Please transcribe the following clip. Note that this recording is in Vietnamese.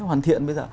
hoàn thiện bây giờ